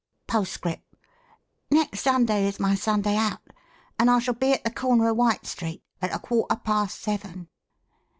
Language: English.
poscrip nex Sunday Is my sunday out And i shall be Att the corner of Wite Street at a quawter pas Sevn.